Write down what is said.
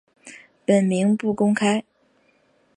本名不公开。